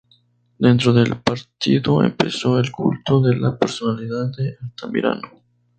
Dentro del partido empezó el culto de la personalidad de Altamirano.